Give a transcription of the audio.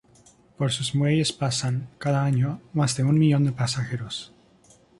Por sus muelles pasan, cada año, más de un millón de pasajeros.